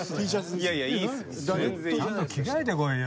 いやいやいいですよ。